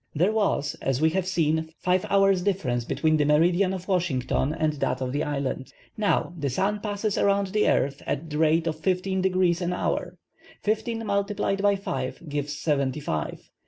There was, as we have seen, five hours difference between the meridian of Washington and that of the island. Now, the sun passes around the earth at the rate of 15° an hour. Fifteen multiplied by five gives seventy five.